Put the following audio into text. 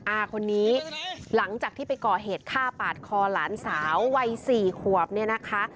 อาคนนี้หลังจากที่ไปก่อเหตุฆ่าปาดคอหลานสาววัยสี่ขวบเนี่ยนะคะ